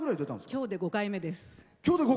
きょうで５回目です。